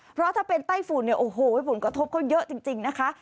เพราะถ้าเป็นไต้ฝุ่นเนี่ยโอ้โหผลกระทบเขาเยอะจริงนะคะ